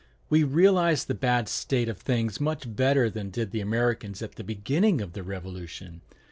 We realize the bad state of things much better than did the Americans at the beginning of the Revolution.